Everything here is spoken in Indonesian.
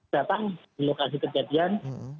datang di lokasi kejadian